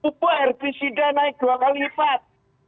kupu rpcd naik dua kali lipat